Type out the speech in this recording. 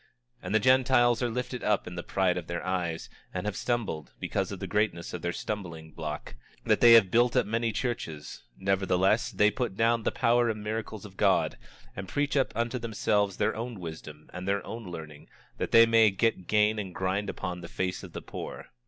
26:20 And the Gentiles are lifted up in the pride of their eyes, and have stumbled, because of the greatness of their stumbling block, that they have built up many churches; nevertheless, they put down the power and miracles of God, and preach up unto themselves their own wisdom and their own learning, that they may get gain and grind upon the face of the poor.